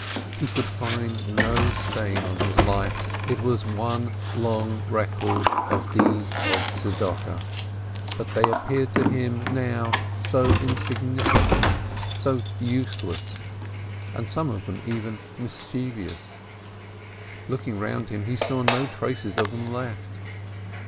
He could find no stain on his life — it was one long record of deeds of charity; but they appeared to him now so insignificant, so useless, and some of them even mischievous. Looking round him, he saw no traces of them left.